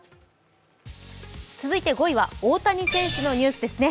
続いて５位は大谷選手のニュースですね。